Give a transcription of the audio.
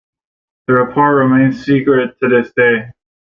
The report remains secret to this day.